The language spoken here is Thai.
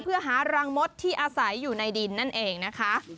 เพื่อหารังมดที่อาศัยอยู่ในดินนั่นเองนะคะ